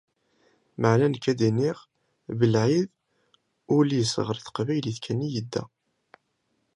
Meɛna nekk a-d-iniɣ : Belɛid, ul-is ɣer teqbaylit kan i yedda.